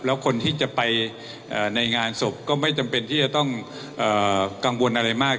แล้วคนที่จะไปในงานศพก็ไม่จำเป็นที่จะต้องกังวลอะไรมาก